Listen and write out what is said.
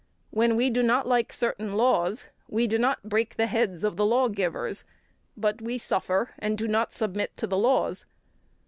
When we do not like certain laws, we do not break the heads of law givers, but we suffer and do not submit to the laws.